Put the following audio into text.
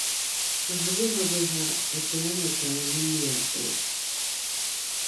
maraveravera tatoalakaenimia’e!